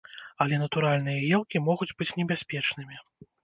Але натуральныя елкі могуць быць небяспечнымі.